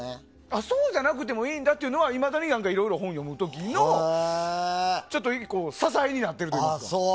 そうじゃなくてもいいんだというのはいまだに本を読む時の１個支えになってるというか。